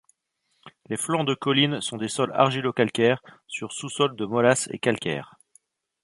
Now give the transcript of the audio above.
Les flancs de colline sont des sols argilo-calcaires sur sous-sol de molasse et calcaire.